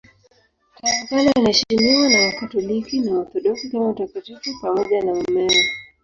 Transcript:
Tangu kale anaheshimiwa na Wakatoliki na Waorthodoksi kama mtakatifu pamoja na mumewe.